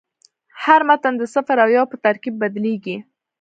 هر متن د صفر او یو په ترکیب بدلېږي.